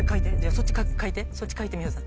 そっち書いてそっち書いて美穂さん。